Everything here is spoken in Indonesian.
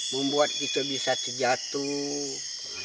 membuat kita bisa terjatuh